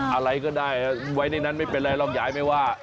อะไรก็ได้ไว้ในนั้นไม่เป็นไรหรอกยายไม่ว่า